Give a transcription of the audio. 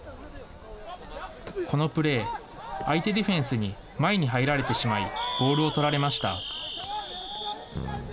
このプレー、相手ディフェンスに前に入られてしまい、ボールを取られました。